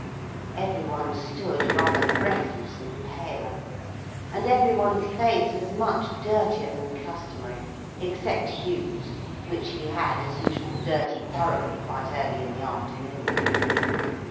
Every one stood, rather breathless and pale, and every one's face was much dirtier than customary, except Hugh's, which he had, as usual, dirtied thoroughly quite early in the afternoon.